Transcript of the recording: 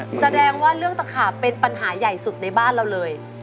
แสดงว่าเรื่องตะขาบเป็นปัญหาใหญ่สุดในบ้านเราเลย